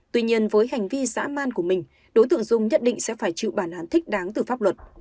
tuy nhiên với hành vi xã man của mình đối tượng dung nhất định sẽ phải chịu bản án thích đáng từ pháp luật